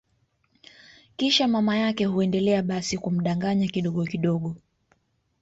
Kisha mama yake huendelea basi kumdanganya kidogo kidogo